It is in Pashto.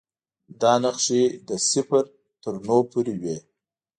دا نښې له صفر تر نهو پورې وې.